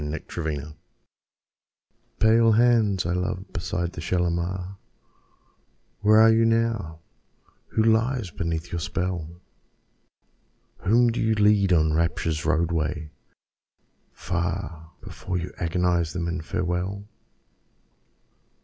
Kashmiri Song Pale hands I love beside the Shalimar, Where are you now? Who lies beneath your spell? Whom do you lead on Rapture's roadway, far, Before you agonise them in farewell?